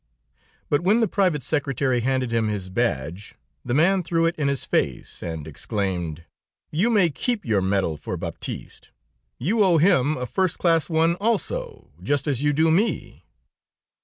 But when the private secretary handed him his badge, the man threw it in his face and exclaimed: "'You may keep your medal for Baptiste. You owe him a first class one, also, just as you do me.'